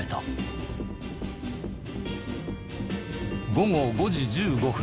午後５時１５分。